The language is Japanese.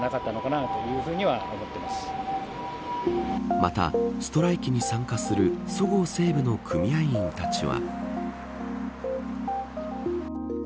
また、ストライキに参加するそごう・西武の組合員たちは。